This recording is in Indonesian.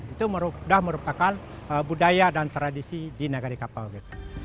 itu sudah merupakan budaya dan tradisi di negara kapau